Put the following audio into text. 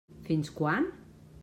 Fins quan?